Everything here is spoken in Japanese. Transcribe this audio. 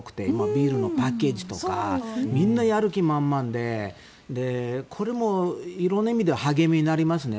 ビールのパッケージとかみんなやる気満々で、これも色んな意味で励みになりますね。